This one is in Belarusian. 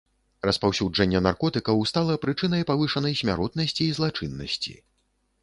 Распаўсюджанне наркотыкаў стала прычынай павышанай смяротнасці і злачыннасці.